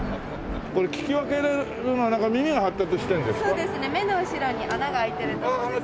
そうですね目の後ろに穴が開いてると思うんですけど。